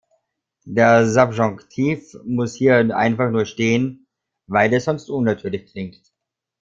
Der Subjonctif muss hier einfach nur stehen, weil es sonst unnatürlich klingt.